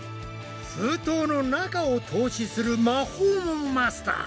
封筒の中を透視する魔法もマスター！